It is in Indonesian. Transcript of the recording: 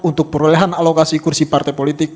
untuk perolehan alokasi kursi partai politik